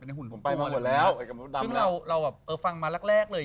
ผมขอที่หนึ่งที่คุณอยากไปแล้วไม่ได้ไป